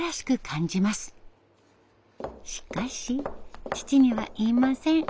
しかし父には言いません。